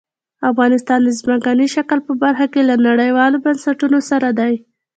افغانستان د ځمکني شکل په برخه کې له نړیوالو بنسټونو سره دی.